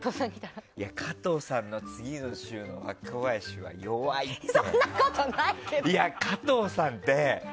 加藤さんの次の週の若林は弱いって。